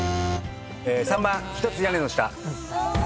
３番ひとつ屋根の下。